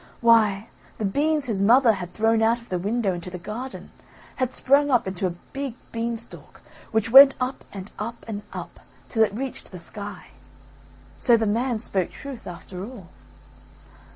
why, the beans his mother had thrown out of the window into the garden, had sprung up into a big beanstalk which went up and up and up till it reached the sky. So the man spoke truth after all.